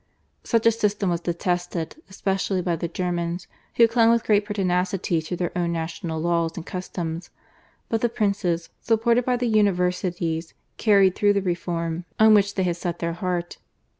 Such a system was detested especially by the Germans, who clung with great pertinacity to their own national laws and customs; but the princes, supported by the universities, carried through the reform on which they had set their heart.